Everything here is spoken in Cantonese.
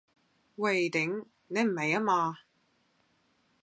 喂頂，你唔係呀嘛？